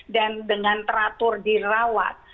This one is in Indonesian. dan dengan teratur dirawat